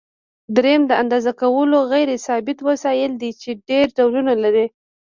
دریم د اندازه کولو غیر ثابت وسایل دي چې ډېر ډولونه لري.